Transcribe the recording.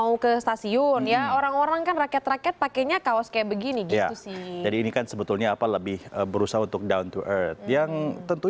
usai diresmikan perselasa tarif uji coba tiga puluh ribu rupiah gitu